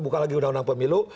buka lagi undang undang pemilu